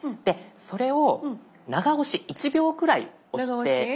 それを長押し１秒くらい押して頂いて。